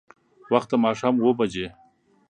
وخت د ماښام اوبه بجې.